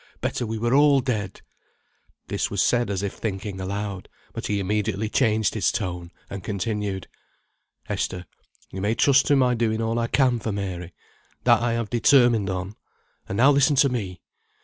Better we were all dead." This was said as if thinking aloud; but he immediately changed his tone, and continued, "Esther, you may trust to my doing all I can for Mary. That I have determined on. And now listen to me!